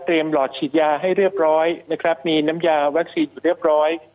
หลอดฉีดยาให้เรียบร้อยนะครับมีน้ำยาวัคซีนอยู่เรียบร้อย